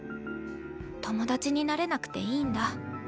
友達になれなくていいんだ。